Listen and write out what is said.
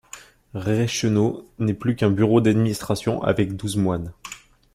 Reichenau n'est plus qu'un bureau d'administration avec douze moines.